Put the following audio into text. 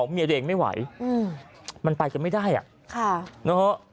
เมียตัวเองไม่ไหวมันไปกันไม่ได้อ่ะค่ะนะฮะ